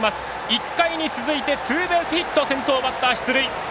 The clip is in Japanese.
１回に続いてツーベースヒット先頭バッター出塁。